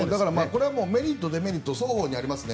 これはメリット、デメリット双方にありますね。